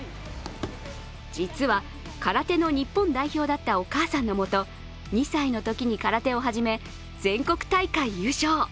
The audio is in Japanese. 実は空手の日本代表だったお母さんのもと２歳のときに空手を始め全国大会優勝。